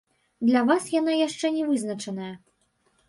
Для вас яна яшчэ не вызначаная.